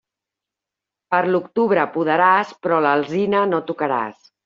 Per l'octubre podaràs, però l'alzina no tocaràs.